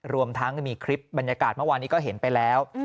รวมทั้งมีคลิปบรรยากาศเมื่อวานนี้ก็เห็นไปแล้ว